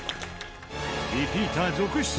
リピーター続出。